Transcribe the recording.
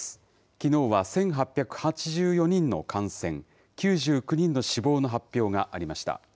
きのうは１８８４人の感染、９９人の死亡の発表がありました。